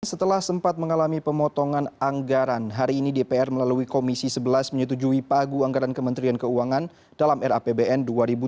setelah sempat mengalami pemotongan anggaran hari ini dpr melalui komisi sebelas menyetujui pagu anggaran kementerian keuangan dalam rapbn dua ribu delapan belas